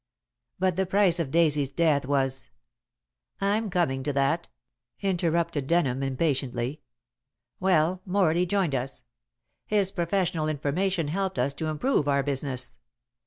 "But the price of Daisy's death was " "I'm coming to that," interrupted Denham impatiently. "Well, Morley joined us. His professional information helped us to improve our business.